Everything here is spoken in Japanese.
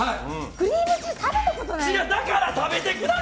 クリームチーズ食べたことないから。